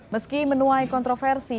meski menuai kontroversi